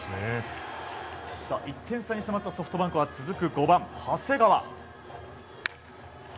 １点差に迫ったソフトバンクは続く５番、長谷川。